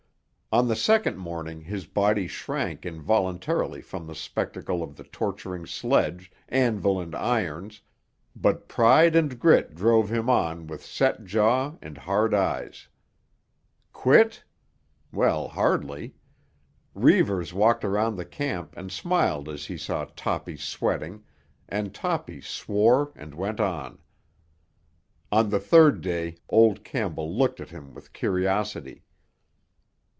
On the second morning his body shrank involuntarily from the spectacle of the torturing sledge, anvil and irons, but pride and grit drove him on with set jaw and hard eyes. Quit? Well, hardly. Reivers walked around the camp and smiled as he saw Toppy sweating, and Toppy swore and went on. On the third day old Campbell looked at him with curiosity.